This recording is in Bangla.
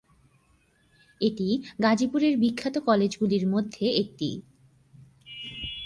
এটি গাজীপুরের বিখ্যাত কলেজগুলির মধ্যে একটি।